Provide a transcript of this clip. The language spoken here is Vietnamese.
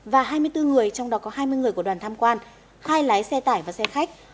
và hai mươi bốn người trong đó có hai mươi người của đoàn tham quan hai lái xe tải và xe khách